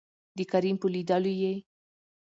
دکريم په لېدولو يې